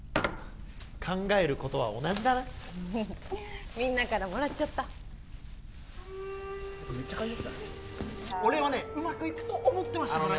考えることは同じだなみんなからもらっちゃった俺はねうまくいくと思ってました